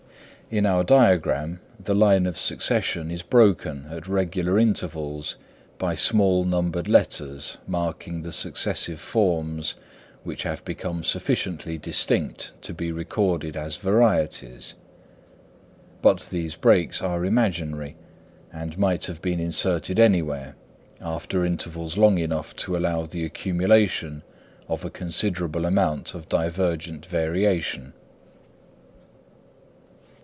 In our diagram the line of succession is broken at regular intervals by small numbered letters marking the successive forms which have become sufficiently distinct to be recorded as varieties. But these breaks are imaginary, and might have been inserted anywhere, after intervals long enough to allow the accumulation of a considerable amount of divergent variation.